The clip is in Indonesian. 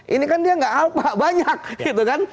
ini kan dia gak alpa banyak gitu kan